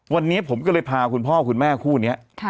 วันนี้ผมก็เลยพาคุณพ่อคุณแม่คู่นี้